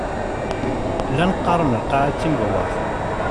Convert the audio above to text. Llan qqaren lqaεa timdewwert.